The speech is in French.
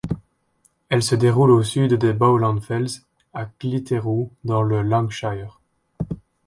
Elle se déroule au sud des Bowland Fells, à Clitheroe, dans le Lancashire.